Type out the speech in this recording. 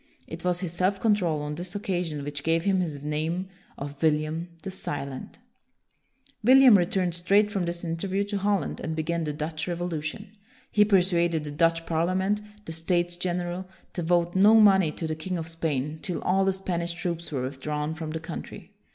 It was his self control on this occasion which gave him his name of William the Silent. William returned straight from this in terview to Holland and began the Dutch Revolution. He persuaded the Dutch Parliament, the States General, to vote no money to the king of Spain till all the WILLIAM THE SILENT 183 Spanish troops were withdrawn from the country.